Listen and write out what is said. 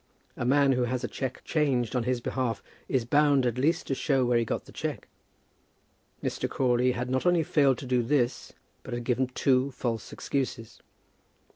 A man who has a cheque changed on his own behalf is bound at least to show where he got the cheque. Mr. Crawley had not only failed to do this, but had given two false excuses.